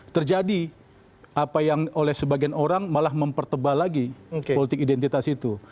terjadi apa yang oleh sebagian orang malah mempertebal lagi politik identitas itu